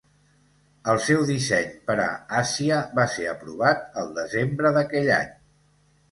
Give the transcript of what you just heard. El seu disseny per a 'Asia' va ser aprovat el desembre d'aquell any.